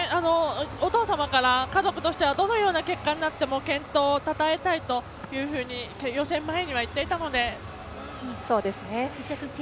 お父様から家族だからどのような結果になっても健闘をたたえたいというふうに予選前に言っていたので。